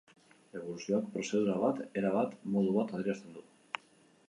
Eboluzioak prozedura bat, era bat, modu bat adierazten du.